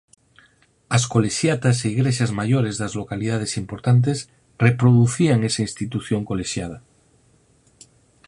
As colexiatas e igrexas maiores das localidades importantes reproducían esa institución colexiada.